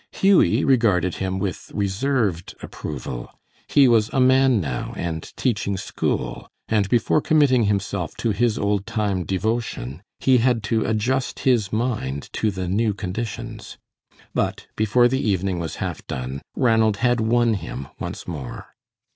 Hughie regarded him with reserved approval. He was now a man and teaching school, and before committing himself to his old time devotion, he had to adjust his mind to the new conditions. But before the evening was half done Ranald had won him once more.